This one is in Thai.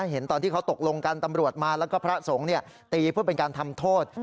เห็นตอนที่เขาตกลงกันตำรวจมาแล้วก็พระสงฆ์ตีเพื่อเป็นการทำโทษ